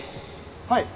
はい。